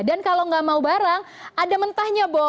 dan kalau nggak mau barang ada mentahnya bo